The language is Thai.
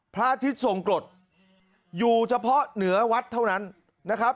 พระอาทิตย์ทรงกรดอยู่เฉพาะเหนือวัดเท่านั้นนะครับ